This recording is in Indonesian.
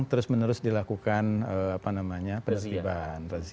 terus menerus dilakukan penerbiban